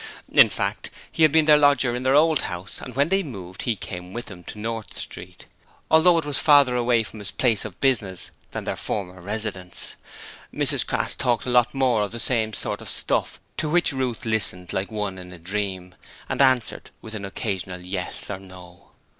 In fact, he had been their lodger in their old house, and when they moved he came with them to North Street, although it was farther away from his place of business than their former residence. Mrs Crass talked a lot more of the same sort of stuff, to which Ruth listened like one in a dream, and answered with an occasional yes or no.